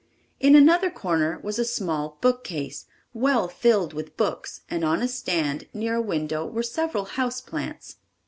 In another corner was a small bookcase, well filled with books and on a stand near a window were several house plants.